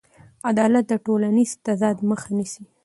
عدالت د ټولنیز تضاد مخه نیسي.